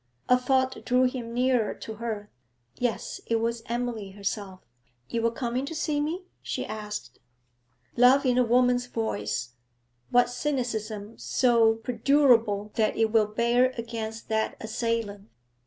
A thought drew him nearer to her. Yes, it was Emily herself. 'You were coming to see me?' she asked. Love in a woman's voice what cynicism so perdurable that it will bear against that assailant?